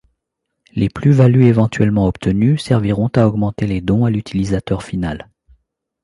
Les plus-values éventuellement obtenues serviront à augmenter les dons à l’utilisateur final.